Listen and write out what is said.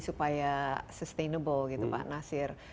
supaya sustainable gitu pak nasir